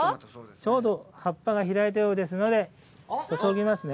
ちょうど葉っぱが開いたようですので、注ぎますね。